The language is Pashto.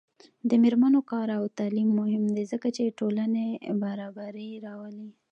د میرمنو کار او تعلیم مهم دی ځکه چې ټولنې برابري راولي.